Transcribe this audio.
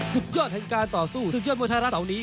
สุดยอดแห่งการต่อสู้ศึกยอดมวยไทยรัฐเหล่านี้